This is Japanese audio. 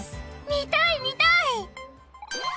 見たい見たい！